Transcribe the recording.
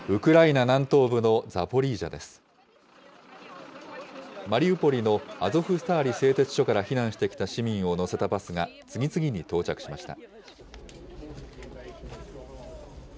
マリウポリのアゾフスターリ製鉄所から避難してきた市民を乗せたバスが次々に到着しました。